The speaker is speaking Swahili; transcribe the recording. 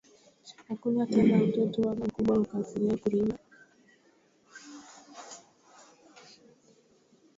Akuna tena mutoto wala mukubwa wakati yaku rima